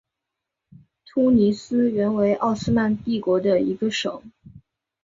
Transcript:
突尼斯原为奥斯曼帝国的一个省。